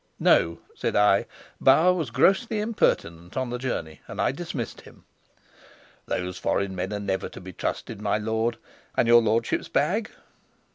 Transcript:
"No," said I. "Bauer was grossly impertinent on the journey, and I dismissed him." "Those foreign men are never to be trusted, my lord. And your lordship's bag?"